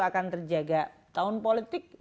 akan terjaga tahun politik